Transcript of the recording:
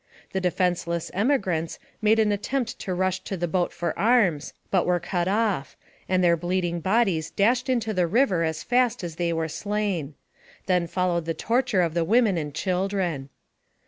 The defenseless emigrants made an attempt to rush to the boat for arms, but were cut off, and their bleed ing bodies dashed into the river as fast as they were slain. Then followed the torture of the women and children.